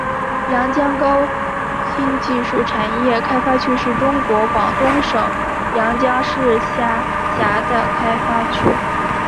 阳江高新技术产业开发区是中国广东省阳江市下辖的开发区。